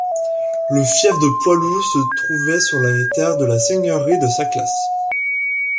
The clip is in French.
Le fief de Poilloüe se trouvait sur les terres de la seigneurie de Saclas.